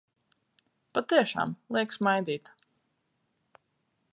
Patiešām, liek smaidīt!